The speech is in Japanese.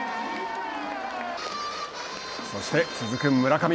そして続く村上。